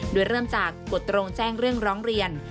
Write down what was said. โดยเริ่มจากกฎตรงแจ้งเรื่องร้องเรียน